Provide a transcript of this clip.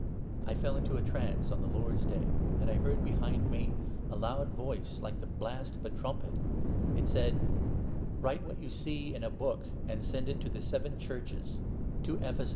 I fell into a trance 10 on the Lord's Day, and I heard behind me a loud voice, like the blast of a trumpet. It said —' Write what you n see in a book and send it to the seven Churches, to Ephesus, 1 Dan. 2. 28. * Exod.